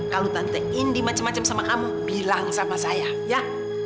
kalau tante indi macam macam sama kamu bilang sama saya ya